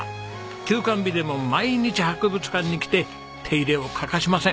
休館日でも毎日博物館に来て手入れを欠かしません。